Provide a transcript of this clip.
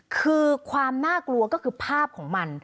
คือความน่ากลัวก็คือภาพของมัน